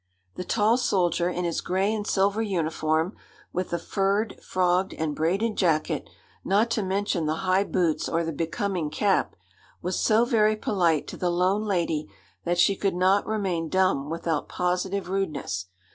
The tall soldier, in his gray and silver uniform, with a furred, frogged, and braided jacket, not to mention the high boots or the becoming cap, was so very polite to the lone lady that she could not remain dumb without positive rudeness.